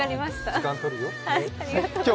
時間とるよ。